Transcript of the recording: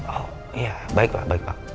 oh iya baik pak baik pak